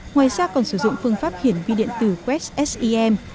ngoài ra còn sử dụng phương pháp hiển vi điện tử quét sem